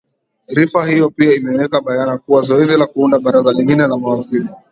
rifa hiyo pia imeweka bayana kuwa zoezi la kuunda baraza lingine la mawaziri